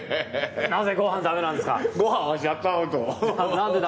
なぜご飯だめなんですか？